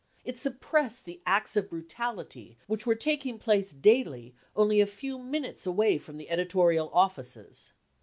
It suppressed the acts of brutality which were taking place' daily only a few minutes away from the editorial offices.